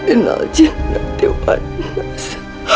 innal jin nadi wa innas